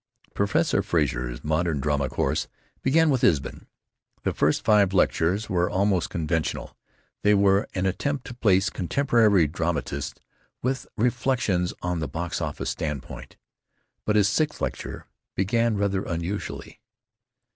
Professor Frazer's modern drama course began with Ibsen. The first five lectures were almost conventional; they were an attempt to place contemporary dramatists, with reflections on the box office standpoint. But his sixth lecture began rather unusually.